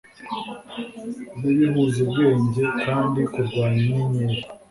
nibihuza ubwenge, kandi kurwanya inyenyeri